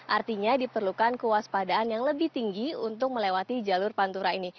artinya diperlukan kewaspadaan yang lebih tinggi untuk melewati jalur pantura ini